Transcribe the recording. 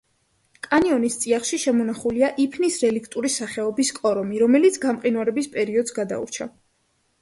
კანიონის წიაღში შემონახულია იფნის რელიქტური სახეობის კორომი, რომელიც გამყინვარების პერიოდს გადაურჩა.